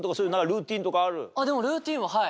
ルーティンははい。